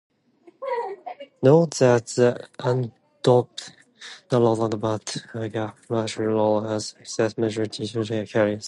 Note that the undoped narrow band gap material now has excess majority charge carriers.